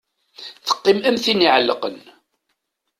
Teqqim am tin iɛelqen.